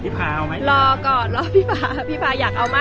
พี่พาเอาไหมรอก่อนรอก่อนพี่พาพี่พาอยากเอามั่ง